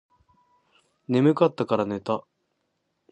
眠かったらから寝た